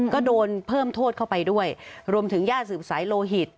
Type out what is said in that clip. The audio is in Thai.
ก็โดนเพิ่มโทษเข้าไปด้วยรวมถึงย่าสืบสายโลหิต